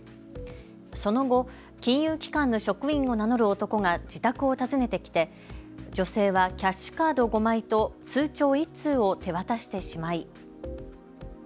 その後、金融機関の職員を名乗る男が自宅を訪ねてきて女性はキャッシュカード５枚と通帳１通を手渡してしまい。